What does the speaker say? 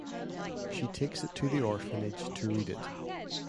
She takes it to the orphanage to read it.